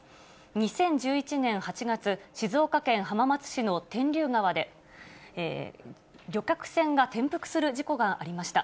２０１１年８月、静岡県浜松市の天竜川で、旅客船が転覆する事故がありました。